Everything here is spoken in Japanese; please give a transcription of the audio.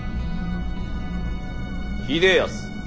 秀康。